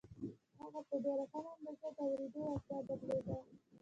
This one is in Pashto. هغه په ډېره کمه اندازه د اورېدو وړتيا درلوده.